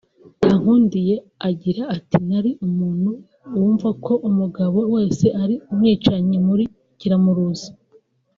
Kankundiye agira ati“nari umuntu wumva ko umugabo wese ari umwicanyi muri kiramuruzi